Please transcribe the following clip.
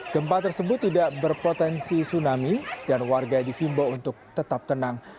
gempa tersebut tidak berpotensi tsunami dan warga dihimbau untuk tetap tenang